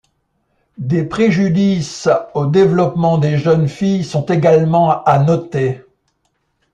Des préjudices au développement des jeunes filles sont également à noter.